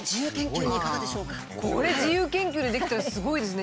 ぜひともこれ自由研究でできたらすごいですね。